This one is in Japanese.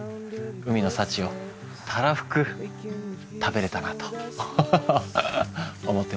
海の幸をたらふく食べれたらと思ってます。